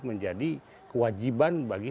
menjadi kewajiban bagi